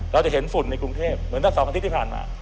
เราจะเห็นฝุ่นในกรุงเทพเหมือนถ้า๒อาทิตย์ที่ผ่านมา